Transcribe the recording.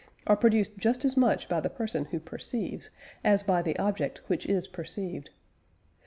are produced just as much by the person who perceives, as by the object which is perceived.